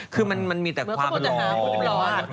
คือมันมีแต่ความหล่อ